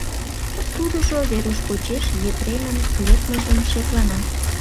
Тудыжо Веруш почеш Епремын лекмыжым шеклана.